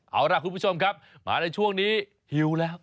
เอาล่ะคุณผู้ชมครับมาในช่วงนี้หิวแล้ว